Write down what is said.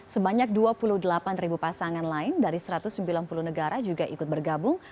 sebanyak dua puluh delapan pasangan lain dari satu ratus sembilan puluh negara juga ikut bergabung